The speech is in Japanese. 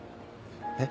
えっ？